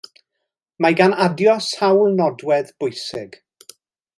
Mae gan adio sawl nodwedd bwysig.